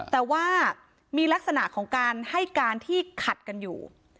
แต่ว่ามีลักษณะของการให้การที่ขัดกันอยู่